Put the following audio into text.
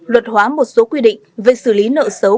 luật hóa một số quy định về xử lý nợ xấu